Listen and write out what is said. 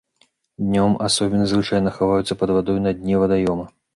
Днём асобіны звычайна хаваюцца пад вадой на дне вадаёма.